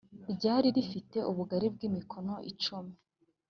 ryari rifite ubugari bw’imikono icumi